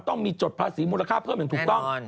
ต้องมีจดภาษีมูลค่าเพิ่มอย่างถูกต้อง